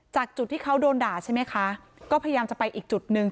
จุดที่เขาโดนด่าใช่ไหมคะก็พยายามจะไปอีกจุดหนึ่ง